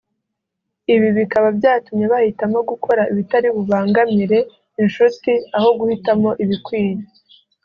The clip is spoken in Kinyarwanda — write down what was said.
ibi bikaba byatuma bahitamo gukora ibitari bubangamire inshuti aho guhitamo ibikwiye